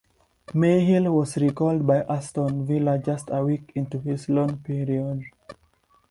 Myhill was recalled by Aston Villa just a week into this loan period.